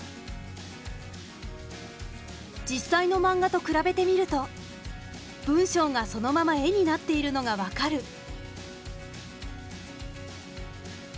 実際のマンガと比べてみると文章がそのまま絵になっているのが分かる。